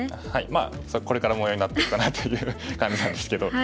まあこれから模様になっていくかなという感じなんですけど。